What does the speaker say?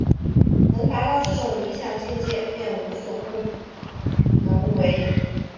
能达到这种理想境界便无所不能为。